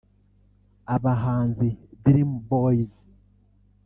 Abahanzi Dream Boys